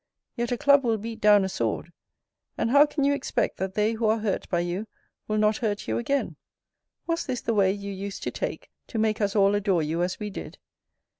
Yet a club will beat down a sword: And how can you expect that they who are hurt by you will not hurt you again? Was this the way you used to take to make us all adore you as we did?